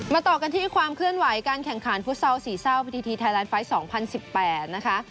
มาต่อกันที่ความเคลื่อนไหวการแข่งขาดฟุตเซาสี่เศร้าวปฏิฐีไทยไลน์ไฟท์สองพันสิบแปดนะคะ